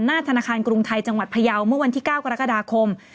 ธนาคารกรุงไทยจังหวัดพยาวเมื่อวันที่๙กรกฎาคม